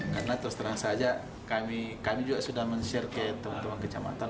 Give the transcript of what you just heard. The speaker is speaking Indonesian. karena terus terang saja kami juga sudah men share ke teman teman kecamatan